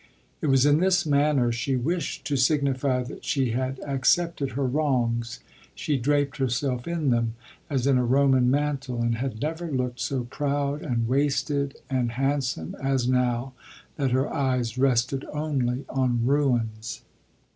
It was in this manner she wished to signify that she had accepted her wrongs. She draped herself in them as in a Roman mantle and had never looked so proud and wasted and handsome as now that her eyes rested only on ruins.